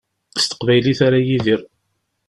S teqbaylit ara yidir.